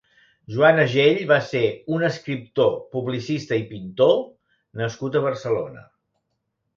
Joan Agell va ser un «Escriptor, publicista i pintor» nascut a Barcelona.